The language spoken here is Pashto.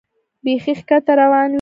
بیخي ښکته روان وې.